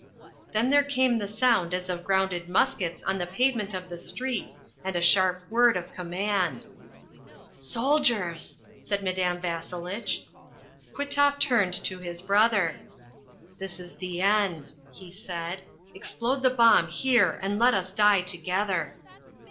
Then there came the sound as of grounded muskets on the pavement of the street and a sharp word of command. "Soldiers!" said Madame Vasselitch. Kwitoff turned to his brother. "This is the end," he said. "Explode the bomb here and let us die together."